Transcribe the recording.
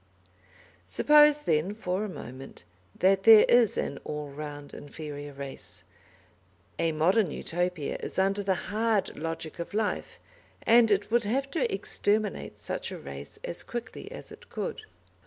Suppose, then, for a moment, that there is an all round inferior race; a Modern Utopia is under the hard logic of life, and it would have to exterminate such a race as quickly as it could.